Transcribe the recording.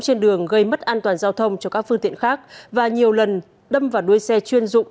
trên đường gây mất an toàn giao thông cho các phương tiện khác và nhiều lần đâm vào đuôi xe chuyên dụng